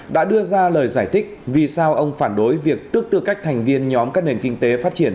đã đưa ra lời giải thích vì sao ông phản đối việc tức tư cách thành viên nhóm các nền kinh tế phát triển